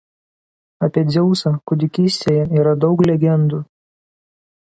Apie Dzeusą kūdikystėje yra daug legendų.